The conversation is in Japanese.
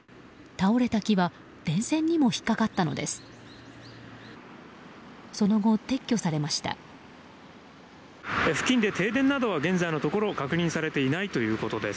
倒れた木は電線にも引っかかったのです。